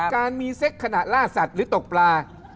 การมีเซ็กขณะล่าสัตว์หรือตกปลา